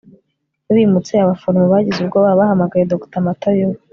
bimutse. abaforomo bagize ubwoba. bahamagaye dr matayo. we